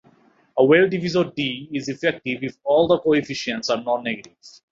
A Weil divisor "D" is effective if all the coefficients are non-negative.